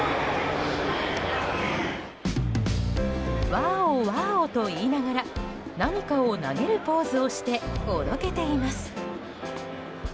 わーお、わーおと言いながら何かを投げるポーズをしておどけています。